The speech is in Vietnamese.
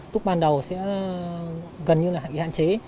lúc ban đầu sẽ gần như là bị hạn chế